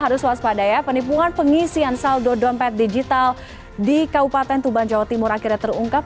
harus waspada ya penipuan pengisian saldo dompet digital di kabupaten tuban jawa timur akhirnya terungkap